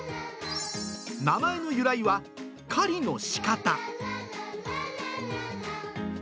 名前の由来は、狩りのしかた。